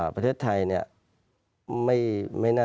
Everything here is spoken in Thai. ประเทศไทย